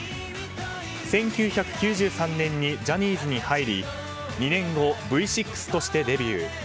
１９９３年にジャニーズに入り２年後、Ｖ６としてデビュー。